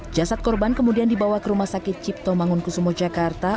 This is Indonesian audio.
jasad korban kemudian dibawa ke rumah sakit cipto mangunkusumo jakarta